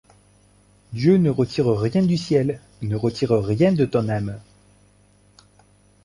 Dieu ne retire rien du ciel ; Ne retire rien de ton âme!